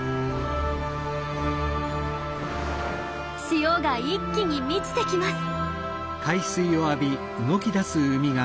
潮が一気に満ちてきます。